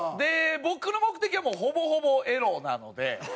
僕の目的はもうほぼほぼエロなので。